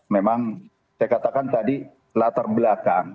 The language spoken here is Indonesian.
memang saya katakan tadi latar belakang